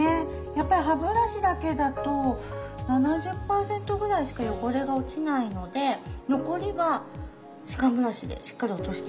やっぱり歯ブラシだけだと７０％ぐらいしか汚れが落ちないので残りは歯間ブラシでしっかり落としていきます。